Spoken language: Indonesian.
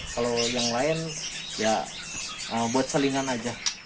kalau yang lain ya buat salingan saja